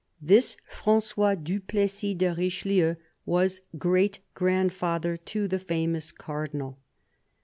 This Francois du Plessis de Richelieu was great grandfather to the famous Cardinal.